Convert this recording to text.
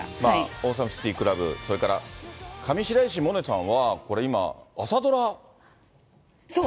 オーサムシティークラブ、それから上白石萌音さんは、これ今、朝ドラ。